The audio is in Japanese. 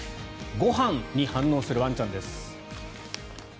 ご飯に反応するワンちゃんです。